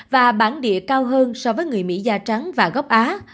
và bản địa cao hơn so với người mỹ da trắng và gốc á